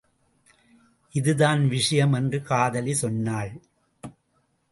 இதுதான் விஷயம் என்று காதலி சொன்னாள்.